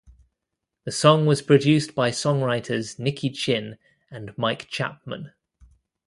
The song was produced by songwriters Nicky Chinn and Mike Chapman.